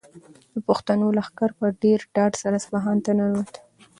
د پښتنو لښکر په ډېر ډاډ سره اصفهان ته ننووت.